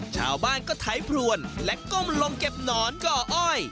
ชาวบ้านก็ไถพรวนและก้มลงเก็บหนอนก่ออ้อย